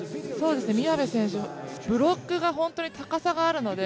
宮部選手、ブロックが高さがあるので